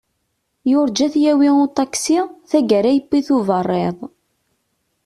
Yurǧa ad t-yawi uṭaksi, taggara yewwi-t uberriḍ.